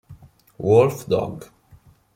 Wolf Dog